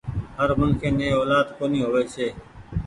هر منک ني اولآد ڪونيٚ هووي ڇي۔